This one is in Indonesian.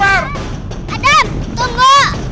adam tembong adem